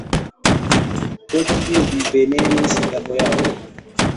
Pro kio vi venenis la bojaron?